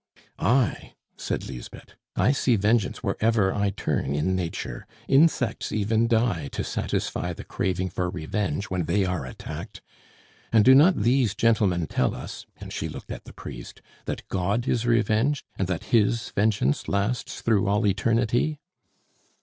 "I!" said Lisbeth. "I see vengeance wherever I turn in nature; insects even die to satisfy the craving for revenge when they are attacked. And do not these gentlemen tell us" and she looked at the priest "that God is revenged, and that His vengeance lasts through all eternity?"